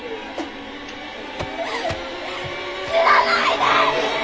死なないで！